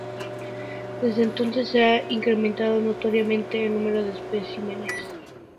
Desde entonces, se ha incrementado notoriamente el número de especímenes hallados.